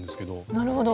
なるほど。